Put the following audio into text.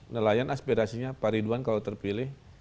nelayan aspirasinya pak ridwan kalau terpilih